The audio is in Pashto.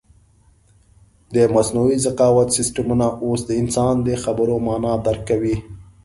د مصنوعي ذکاوت سیسټمونه اوس د انسان د خبرو مانا درک کوي.